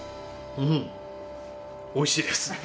うん、おいしいです。